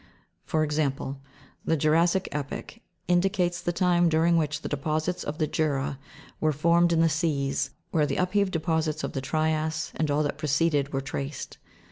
For example, the jura'ssic epoch indicates the time during which the deposits of the Jura were formed in the seas where the upheaved deposits of the trias and all that preceded were traced.